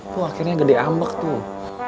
tuh akhirnya gede ambek tuh